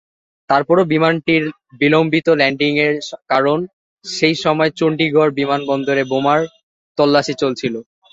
তারপরও বিমানটির বিলম্বিত ল্যান্ডিংয়ের কারণ সেই সময় চণ্ডীগড় বিমানবন্দরে বোমার তল্লাশি চলছিল।